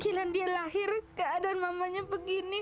cilan dia lahir keadaan mamanya begini